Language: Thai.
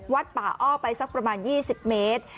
วัดป่าอ้อไปสักประมาณ๒๐เมตร